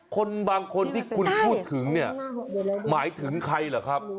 คนบางคนที่คุณพูดถึงเนี่ยหมายถึงใครเหรอครับ